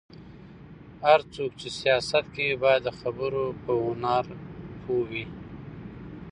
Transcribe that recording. هر څوک چې سياست کوي، باید د خبرو په هنر پوه وي.